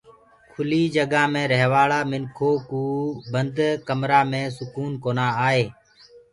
کُلي جگآ مينٚ ريهوآݪآ مِنکوُ بند ڪمرآ مي سڪون ڪونآ آئي